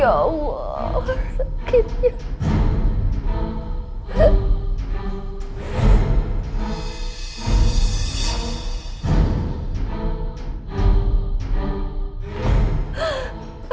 ya allah sakitnya